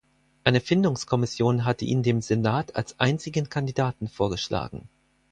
Eine Findungskommission hatte ihn dem Senat als einzigen Kandidaten vorgeschlagen.